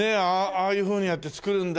ああいうふうにやって作るんだ。